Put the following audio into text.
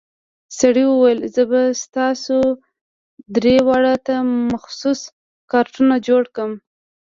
سړي وويل زه به تاسو درې واړو ته مخصوص کارتونه جوړ کم.